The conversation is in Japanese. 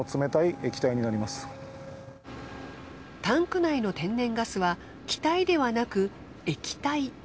タンク内の天然ガスは気体ではなく液体。